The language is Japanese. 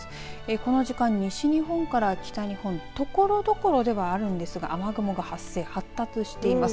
この時間、西日本から北日本ところどころではあるんですが雨雲が発生、発達しています。